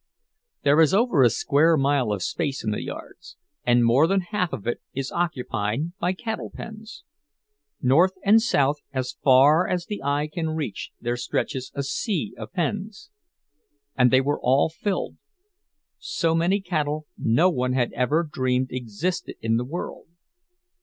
There is over a square mile of space in the yards, and more than half of it is occupied by cattle pens; north and south as far as the eye can reach there stretches a sea of pens. And they were all filled—so many cattle no one had ever dreamed existed in the world.